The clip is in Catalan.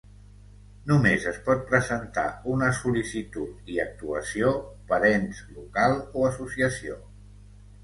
Només es pot presentar una sol·licitud i actuació per ens local o associació.